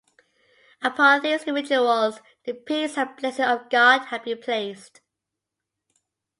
Upon these individuals, the peace and blessing of God have been placed.